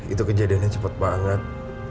itu kejadiannya cepat banget